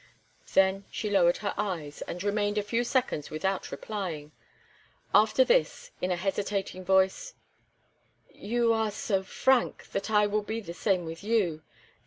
Then, she lowered her eyes, and remained a few seconds without replying; after this, in a hesitating voice: "You are so frank that I will be the same with you.